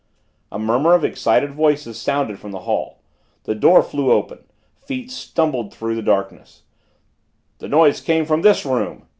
A murmur of excited voices sounded from the hall. The door flew open, feet stumbled through the darkness "The noise came from this room!"